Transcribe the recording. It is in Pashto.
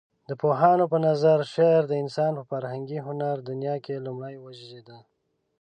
د پوهانو په نظر شعر د انسان په فرهنګي هنري دنيا کې لومړى وزيږيده.